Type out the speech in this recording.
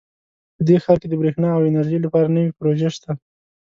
په دې ښار کې د بریښنا او انرژۍ لپاره نوي پروژې شته